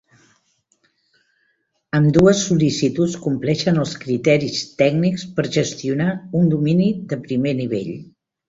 Ambdues sol·licituds compleixen els criteris tècnics per gestionar un domini de primer nivell.